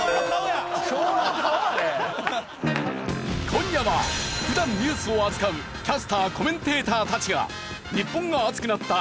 今夜は普段ニュースを扱うキャスターコメンテーターたちが日本が熱くなった！